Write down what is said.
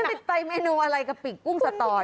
คุณติดใจเมนูอะไรกะปิกกุ้งสตอน